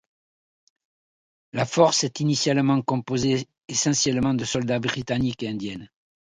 La force est initialement composée essentiellement de soldats britanniques et indiennes.